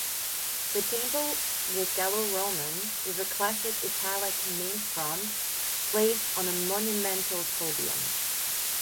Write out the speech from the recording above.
The temple was Gallo-Roman with a classic-Italic main front placed on a monumental podium.